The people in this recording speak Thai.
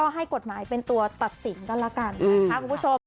ให้กฎหมายเป็นตัวตัดสินก็แล้วกันนะคะคุณผู้ชม